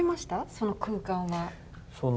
その空間は？